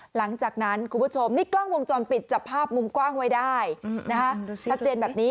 หลังจากนั้นคุณผู้ชมนี่กล้องวงจรปิดจับภาพมุมกว้างไว้ได้